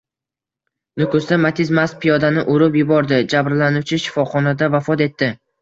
Nukusda Matiz mast piyodani urib yubordi. Jabrlanuvchi shifoxonada vafot etdi